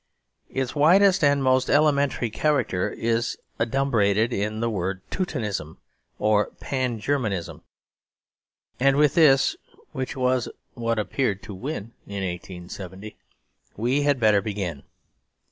Its widest and most elementary character is adumbrated in the word Teutonism or Pan Germanism; and with this (which was what appeared to win in 1870) we had better begin.